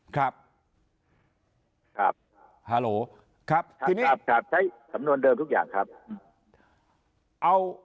ครับครับครับใช้สำนวนเดิมทุกอย่างครับ